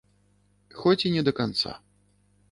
Хоць і не да канца.